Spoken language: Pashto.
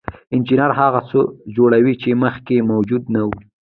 انجینر هغه څه جوړوي چې مخکې موجود نه وو.